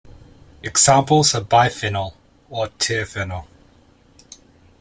Examples are biphenyl or terphenyl.